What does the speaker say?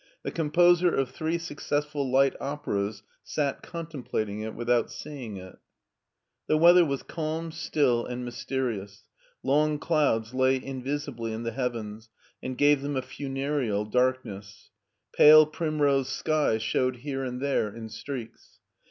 The composer of three successful light operas sat contemplating it without seeing it. The weather was calm, still, and mysterious. Long clouds lay invisibly in the heavens and gave them i funereal darkness. Pale primrose sky showed here and tfiere in streaks.